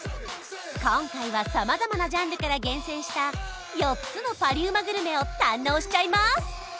今回は様々なジャンルから厳選した４つのパリうまグルメを堪能しちゃいます